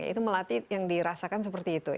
ya itu melati yang dirasakan seperti itu ya